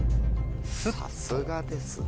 さすがですね。